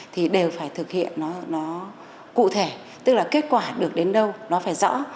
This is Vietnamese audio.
thì đều phải thực hiện nó cụ thể tức là kết quả được đến đâu nó phải rõ